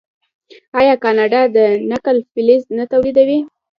آیا کاناډا د نکل فلز نه تولیدوي؟